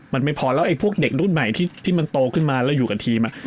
มันไม่พอแล้วไอ้พวกเด็กรุ่นใหม่ที่มันโตขึ้นมาแล้วอยู่กับทีม